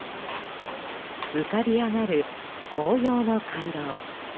浮かび上がる紅葉の回廊。